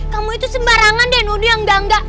kamu itu sembarangan deh nuduh yang gangga